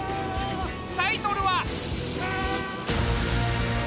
タイトルは。